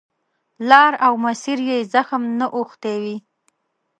لار او مسیر یې زخم نه اوښتی وي.